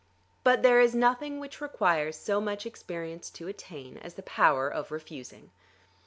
But there is nothing which requires so much experience to attain as the power of refusing.